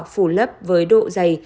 phủ lấp với độ dày